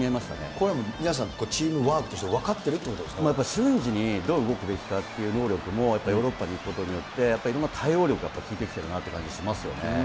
これはもう、チームワークとまた瞬時にどう動くべきかっていう能力もやっぱりヨーロッパに行くことによって、やっぱりいろんな対応力が効いてきてるなっていう感じがしますよね。